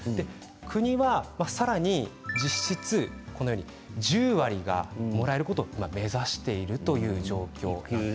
国はさらに実質１０割がもらえることを目指しているという状況です。